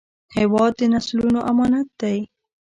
هېواد د نسلونو امانت دی.